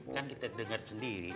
kan kita dengar sendiri